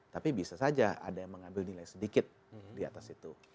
tapi bisa saja ada yang mengambil nilai sedikit di atas itu